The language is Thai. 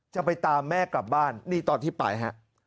จะไปตามแม่กลับบ้านนี่ตอนที่ไปฮะ